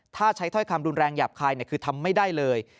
ถ้าใช้ถ้อยคำรุนแรงหยาบคายคือทำไม่ได้เลย